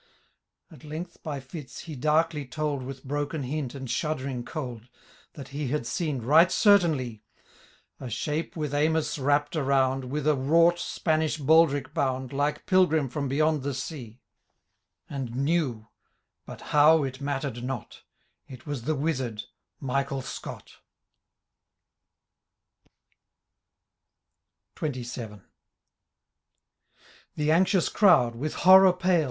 ^ At length, by fits, he darkly told. With broken hint and shuddering cold... That he had seen, right certainly, A shape toith amioe wrapped arouTtd, With a tDTOught Spaniah baldric bound, Ldhe pilffHm/ram beyond the tea; And knew — ^but how it mattered noU^ It was the wizard, Michael Scott XXVII; The anxious crowd, with horror pale.